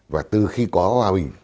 và từ khi có hòa bình